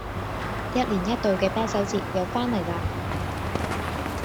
一年一度嘅啤酒節又返嚟喇